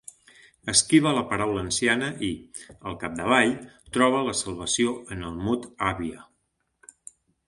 Esquiva la paraula anciana i, al capdavall, troba la salvació en el mot àvia.